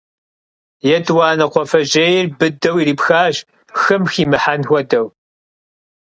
ЕтӀуанэ кхъуафэжьейр быдэу ирипхащ, хым химыхьэн хуэдэу.